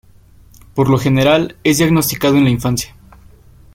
Por lo general, es diagnosticado en la infancia.